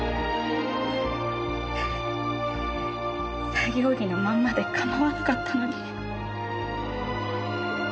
作業着のまんまで構わなかったのに。